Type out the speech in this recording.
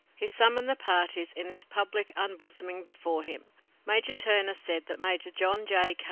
He summoned the parties in this public unbosoming before him. Major Turner said that Major John J.